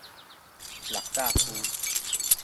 六甲區